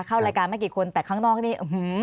เข้ารายการไม่กี่คนแต่ข้างนอกนี่